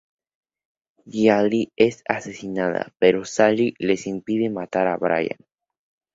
Jillian es asesinada, pero Sally les impide matar a Bryan.